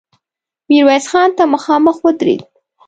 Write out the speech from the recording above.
ميرويس خان ته مخامخ ودرېد.